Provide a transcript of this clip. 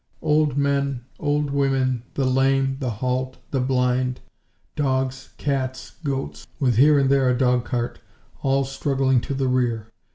Old men, old women, the lame, the halt, the blind; dogs, cats, goats, with here and there a dogcart, all struggling to the rear.